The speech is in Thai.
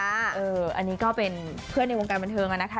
อันนี้ก็เป็นเพื่อนในวงการบันเทิงนะคะ